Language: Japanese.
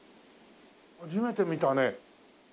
初めて見たね。